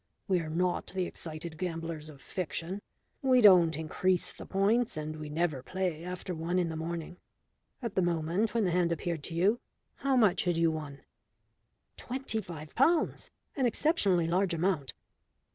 We are not the excited gamblers of fiction. We don't increase the points, and we never play after one in the morning. At the moment when the hand appeared to you, how much had you won?" "Twenty five pounds an exceptionally large amount."